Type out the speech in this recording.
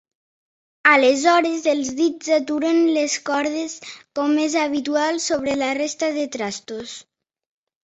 Aleshores, els dits aturen les cordes com és habitual sobre la resta de trastos.